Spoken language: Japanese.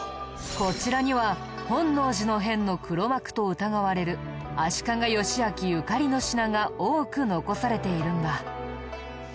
こちらには本能寺の変の黒幕と疑われる足利義昭ゆかりの品が多く残されているんだ。